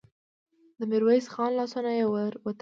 د ميرويس خان لاسونه يې ور وتړل.